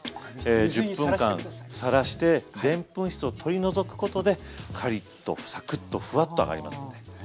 １０分間さらしてでんぷん質を取り除くことでカリッとサクッとフワッと揚がりますので。